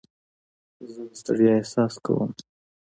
زه د ستړیا احساس کوم.